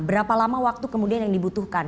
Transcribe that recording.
berapa lama waktu kemudian yang dibutuhkan